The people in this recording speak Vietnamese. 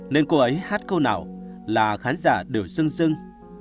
nên cô ấy hát câu nào là khán giả đều sưng sưng